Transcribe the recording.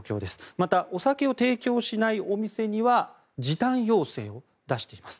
また、お酒を提供しないお店には時短要請を出しています。